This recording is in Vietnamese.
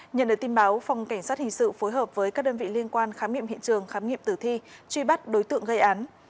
nhận được tin báo phòng cảnh sát hình sự phối hợp với các đơn vị liên quan khám nghiệm hiện trường khám nghiệm tử thi truy bắt đối tượng gây án